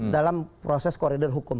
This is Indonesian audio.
dalam proses koridor hukum